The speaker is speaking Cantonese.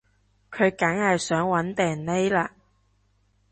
佢梗係想搵掟匿喇